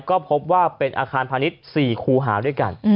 ก็พบว่าเป็นอาคารพาณิชย์๔คูหาด้วยกัน